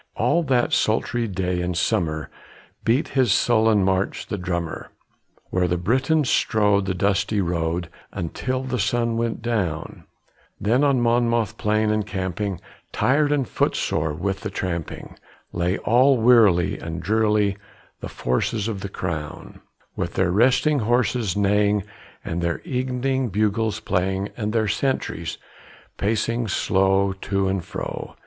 All that sultry day in summer beat his sullen march the drummer, Where the Briton strode the dusty road until the sun went down; Then on Monmouth plain encamping, tired and footsore with the tramping, Lay all wearily and drearily the forces of the crown, With their resting horses neighing and their evening bugles playing, And their sentries pacing slow to and fro.